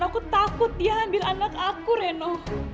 aku takut ya ambil anak aku reno